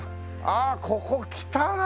ああここ来たな！